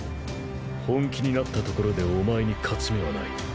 本気になったところでお前に勝ち目はない。